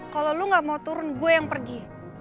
kalau lu gak mau turun gue yang pergi